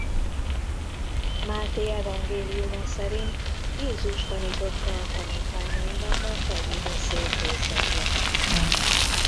Máté evangéliuma szerint Jézus tanította a tanítványainak a hegyi beszéd részeként.